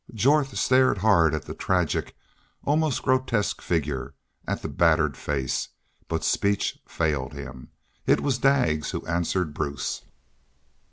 Jorth stared hard at the tragic, almost grotesque figure, at the battered face. But speech failed him. It was Daggs who answered Bruce.